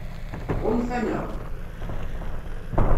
Ɣunfan-aɣ?